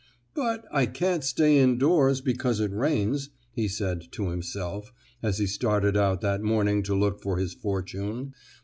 "But, I can't stay indoors, because it rains," he said to himself as he started out that morning to look for his fortune.